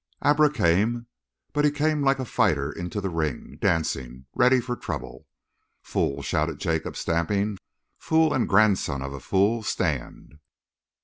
Abra came, but he came like a fighter into the ring, dancing, ready for trouble. "Fool!" shouted Jacob, stamping. "Fool, and grandson of a fool, stand!"